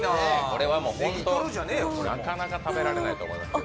これはもうホント、なかなか食べられないと思います。